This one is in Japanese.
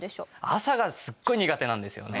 朝がすごい苦手なんですよね。